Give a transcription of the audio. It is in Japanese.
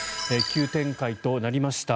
急展開となりました。